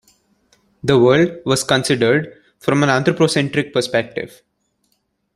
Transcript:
The world was considered from an anthropocentric perspective.